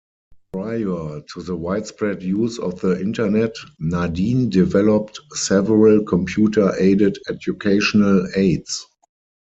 Prior to the widespread use of the Internet, Nadin developed several computer-aided educational aids.